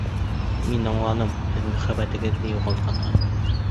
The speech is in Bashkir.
Мин аңланым: һеҙ мөхәббәтегеҙҙе юғалтҡанһығыҙ.